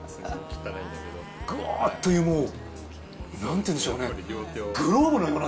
グオーッというもうなんていうんでしょうね。